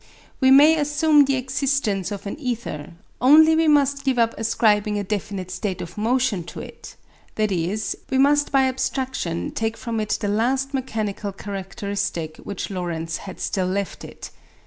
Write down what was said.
We may assume the existence of an ether; only we must give up ascribing a definite state of motion to it, i.e. we must by abstraction take from it the last mechanical characteristic which Lorentz had still left it.